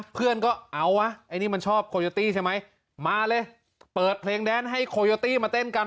เพื่อนก็เอาวะไอ้นี่มันชอบโคโยตี้ใช่ไหมมาเลยเปิดเพลงแดนให้โคโยตี้มาเต้นกัน